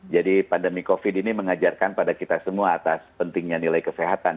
jadi pandemi covid ini mengajarkan pada kita semua atas pentingnya nilai kesehatan